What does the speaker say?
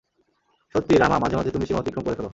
সত্যি, রামা, মাঝে মাঝে তুমি সীমা অতিক্রম করে ফেলো।